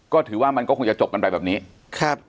ก็ถือว่ามันก็คงจะจบกันไปแบบนี้ครับ